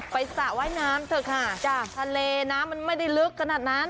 อ๋อไปสระว่ายน้ำเถอะค่ะทะเลนะมันไม่ได้ลึกขนาดนั้น